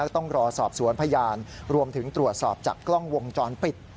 ต้องรอสอบสวนพยานรวมถึงตรวจสอบจากกล้องวงจรปิด